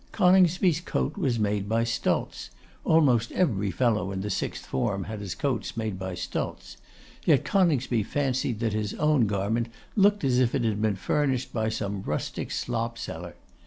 Coningsby's coat was made by Stultz; almost every fellow in the sixth form had his coats made by Stultz; yet Coningsby fancied that his own garment looked as if it had been furnished by some rustic slopseller.